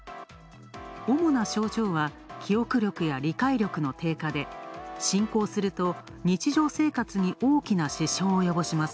主な症状は、記憶力や理解力の低下で進行すると、日常生活に大きな支障を及ぼします。